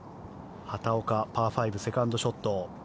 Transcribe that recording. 畑岡、パー５セカンドショット。